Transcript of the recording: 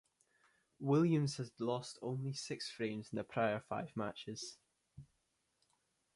Williams had lost only six frames in the prior five matches.